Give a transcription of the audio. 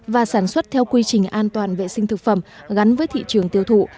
và sản xuất theo quy trình an toàn vệ sinh thực phẩm gắn với thị trường tiêu thụ